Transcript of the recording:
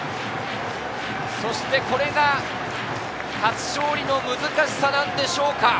そしてこれが初勝利の難しさなんでしょうか。